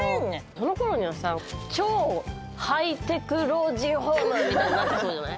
その頃にはさ超ハイテク老人ホームみたいになってそうじゃない？